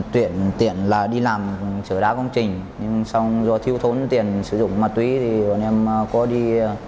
tuyện tiện là đi làm sửa đá công trình nhưng do thiếu thốn tiền sử dụng ma túy thì bọn em có đi